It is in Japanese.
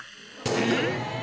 えっ⁉